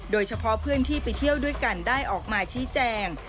โดยเฉพาะเพื่อนที่ไปเที่ยวด้วยกันได้ออกมาชี้แจง